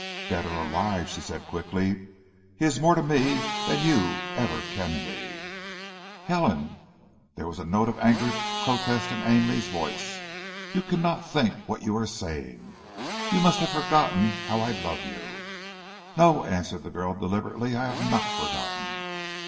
"Dead or alive," she said quickly, "he is more to me than you ever can be!" "Helen!" there was a note of angry protest in Ainley's voice. "You cannot think what you are saying. You must have forgotten how I love you." "No," answered the girl deliberately. "I have not forgotten."